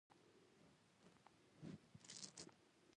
تر ټولو غوره خوراک هغه دی چې کب یې خوښوي